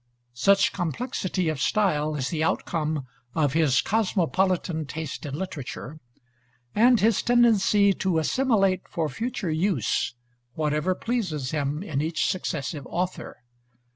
Such complexity of style is the outcome of his cosmopolitan taste in literature, and his tendency to assimilate for future use whatever pleases him in each successive author.